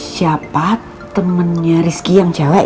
siapa temennya rizky yang cewek